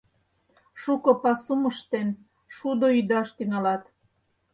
Шуко пасум ыштен, шудо ӱдаш тӱҥалат.